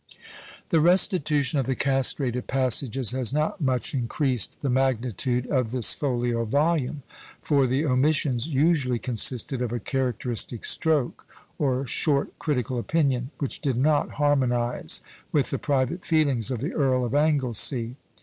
The restitution of the castrated passages has not much increased the magnitude of this folio volume; for the omissions usually consisted of a characteristic stroke, or short critical opinion, which did not harmonise with the private feelings of the Earl of Anglesea.